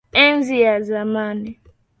Enzi ya zamani.